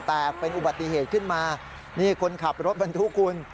แตกเป็นอุบัติเหตุขึ้นมานี่คนขับรถบรรทุกคุณ